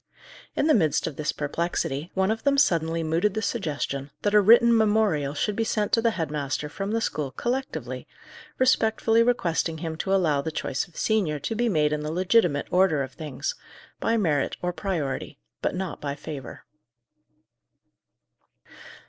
In the midst of this perplexity, one of them suddenly mooted the suggestion that a written memorial should be sent to the head master from the school collectively, respectfully requesting him to allow the choice of senior to be made in the legitimate order of things, by merit or priority, but not by favour.